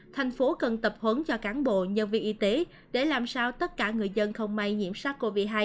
thành phố cần tập huấn cho cán bộ nhân viên y tế để làm sao tất cả người dân không may nhiễm sars cov hai